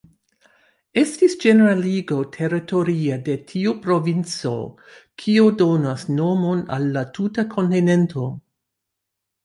Estis ĝeneraligo teritoria de tiu provinco kio donos nomon al la tuta kontinento.